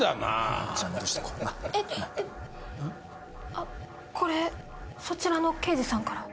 あこれそちらの刑事さんから。